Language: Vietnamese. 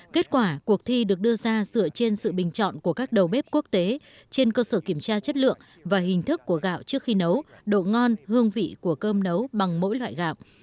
kết quả cuộc thi được đưa ra dựa trên sự bình chọn của các đầu bếp quốc tế trên cơ sở kiểm tra chất lượng và hình thức của gạo trước khi nấu độ ngon hương vị của cơm nấu bằng mỗi loại gạo